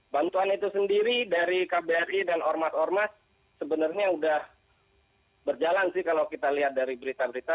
bantuan itu sendiri dari kbri dan ormas ormas sebenarnya sudah berjalan sih kalau kita lihat dari berita berita